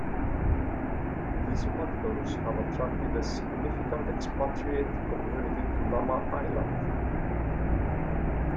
These factors have attracted a significant expatriate community to Lamma Island.